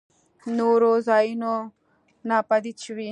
نورو ځايونو ناپديد شوي.